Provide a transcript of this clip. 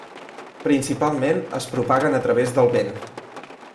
Principalment es propaguen a través del vent.